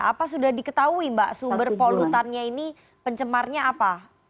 apa sudah diketahui mbak sumber polutannya ini pencemarnya apa